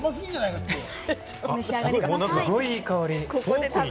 すごい、いい香り！